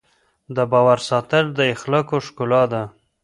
د باور ساتل د اخلاقو ښکلا ده.